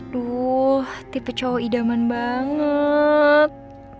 duh tipe cowok idaman banget